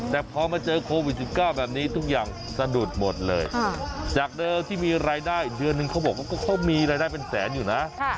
แต่พอมาเจอโควิด๑๙แบบนี้ทุกอย่างสะดุดหมดเลยจากเดิมที่มีรายได้เดือนนึงเขาบอกว่าเขามีรายได้เป็นแสนอยู่นะ